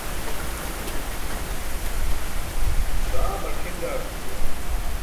Taamar pʰin gaarcum juwan.